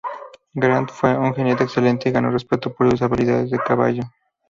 Grant fue un jinete excelente y ganó respeto por sus habilidades a caballo.